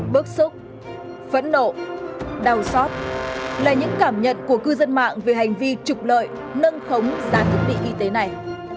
bức xúc phẫn nộ đau xót là những cảm nhận của cư dân mạng về hành vi trục lợi nâng khống giá thiết bị y tế này